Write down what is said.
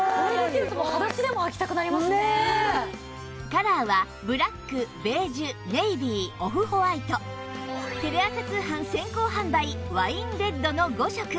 カラーはブラックベージュネイビーオフホワイトテレ朝通販先行販売ワインレッドの５色